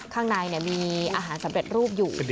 ข้างในมีอาหารสำเร็จรูปอยู่